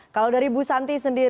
oke oke terakhir saya ke bu santi